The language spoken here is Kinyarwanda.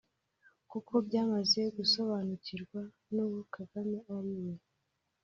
kuko byamaze gusobanukirwa n’uwo Kagame ari we